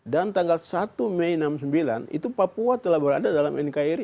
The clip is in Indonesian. dan tanggal satu mei seribu sembilan ratus enam puluh sembilan itu papua telah berada dalam nkri